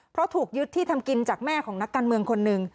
เพราะถูกยึดที่ทำกินจากแม่ของนักการเมืองคนหนึ่ง